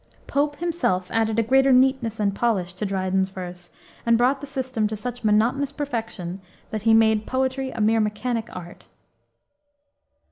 Pope himself added a greater neatness and polish to Dryden's verse and brought the system to such monotonous perfection that he "made poetry a mere mechanic art."